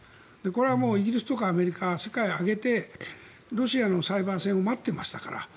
これはイギリスとかアメリカ世界を挙げてロシアのサイバー戦を待ってましたから。